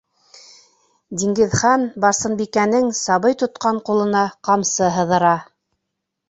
Диңгеҙхан Барсынбикәнең сабый тотҡан ҡулына ҡамсы һыҙыра...